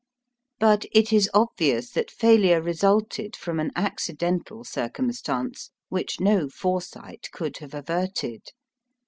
But it is obvious that failure resulted from an accidental circumstance which no foresight could have averted.